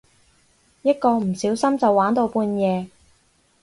一個唔小心就玩到半夜